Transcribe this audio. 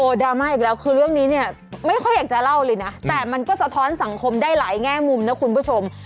ดราม่าอีกแล้วคือเรื่องนี้เนี่ยไม่ค่อยอยากจะเล่าเลยนะแต่มันก็สะท้อนสังคมได้หลายแง่มุมนะคุณผู้ชม